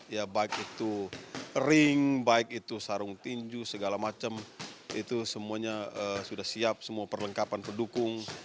ya baik itu ring baik itu sarung tinju segala macam itu semuanya sudah siap semua perlengkapan pendukung